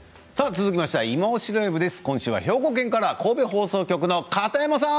続きましては「いまオシ！ＬＩＶＥ」です。今週は兵庫県から神戸放送局の片山さん。